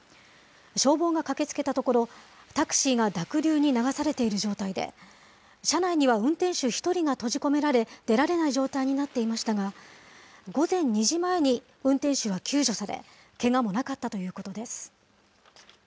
消防が駆けつけたところ、タクシーが濁流に流されている状態で、車内には運転手１人が閉じ込められ、出られない状態になっていましたが、午前２時前に運転手は救助され、けがもなかったということです。